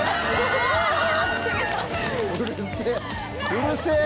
うるせぇ。